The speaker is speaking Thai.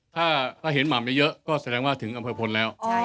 ถ้าเห็นหม่ำเยอะก็แสดงว่าถึงอำเภอพลแล้ว